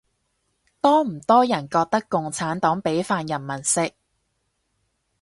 多唔多人覺得共產黨畀飯人民食